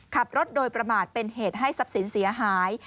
ขับรถโดยประมาทเป็นเหตุให้ทรัพย์สินเสียหาย